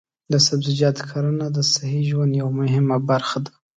د سبزیجاتو کرنه د صحي ژوند یوه مهمه برخه ده.